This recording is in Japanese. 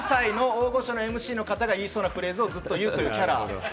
関西の大御所のＭＣの方が言いそうなフレーズをずっと言うという。